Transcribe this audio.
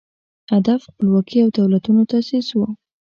هدف خپلواکي او دولتونو تاسیس و